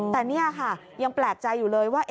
แต่นี่ค่ะยังแปลกใจอยู่เลยว่า